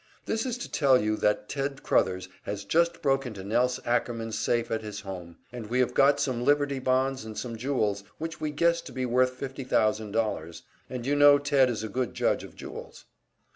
This is to tell you that Ted Crothers has just broke into Nelse Ackerman's safe in his home, and we have got some liberty bonds and some jewels which we guess to be worth fifty thousand dollars, and you know Ted is a good judge of jewels.